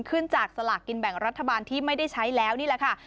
ขึ้นจากสลากกินแบ่งรัฐบาลที่ไม่ได้ใช้แล้วนี่แหละค่ะ